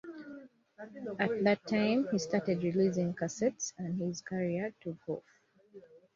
At that time he started releasing cassettes and his career took off.